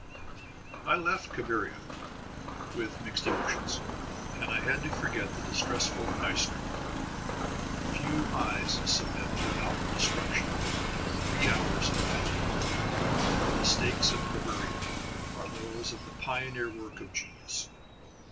I left Cabiria with mixed emotions. And I had to forget the distressful eye strain. Few eyes submit without destruction to three hours of film. But the mistakes of Cabiria are those of the pioneer work of genius.